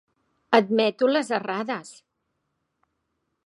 Admeto les errades!